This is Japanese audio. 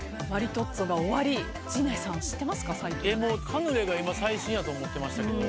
カヌレが今最新やと思ってましたけど。